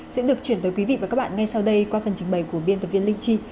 xin chào quý khán giả của bản tin một trăm một mươi ba online